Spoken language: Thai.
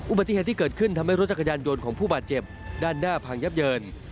อุบัติเหตุที่เกิดขึ้นทำให้รถจักรยานยนต์ของผู้บาดเจ็บด้านหน้าพังยับเยิน